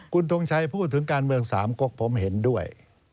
คุณทงชัยพูดถึงการเมืองสามกกผมเห็นด้วย